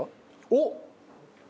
おっ！